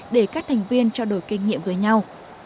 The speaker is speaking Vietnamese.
để các thành viên trao đổi kinh nghiệm với nhau